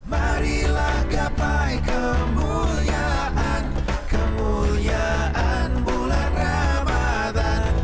marilah gapai kemuliaan kemuliaan bulan ramadhan